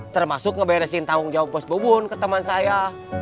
termasuk ngeberesin tanggung jawab bos bubun ke teman saya